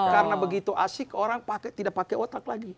karena begitu asik orang tidak pakai otak lagi